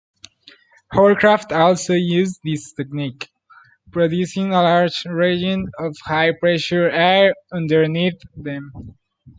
Hovercraft also use this technique, producing a large region of high-pressure air underneath them.